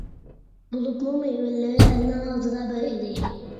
بولۇپمۇ مېۋىلىرى ئەلنىڭ ئاغزىدا بىر ئىدى.